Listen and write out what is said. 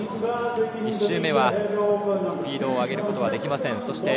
１周目はスピードを上げることはできません。